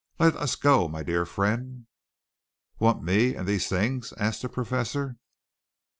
Let us go, my dear friend." "Want me and these things?" asked the Professor.